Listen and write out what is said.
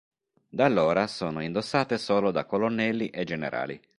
Da allora sono indossate solo da colonnelli e generali.